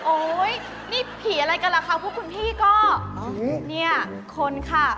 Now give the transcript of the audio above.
อุ๊ยจะอะไรกันแล้วคะพี่นี่คนค่ะ